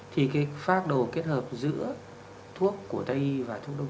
thì phát đồ kết hợp giữa thuốc của tay y và thuốc đông